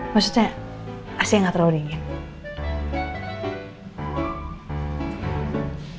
maksudnya asli gak terlalu dingin